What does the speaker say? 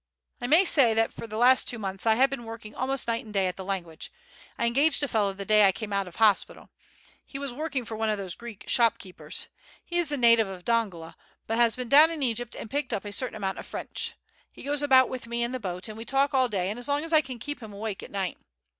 I may say that for the last two months I have been working almost night and day at the language. I engaged a fellow the day I came out of hospital. He was working for one of those Greek shopkeepers. He is a native of Dongola, but has been down in Egypt and picked up a certain amount of French. He goes about with me in the boat, and we talk all day and as long as I can keep him awake at night.